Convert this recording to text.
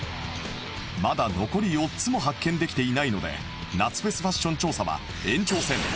まだ残り４つも発見できていないので夏フェスファッション調査は